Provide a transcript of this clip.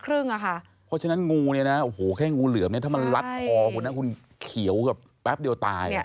เพราะฉะนั้นงูนี้แค่งูเหลือถ้ามันรัดคอคุณคุณเขียวกับแป๊บเดียวตาย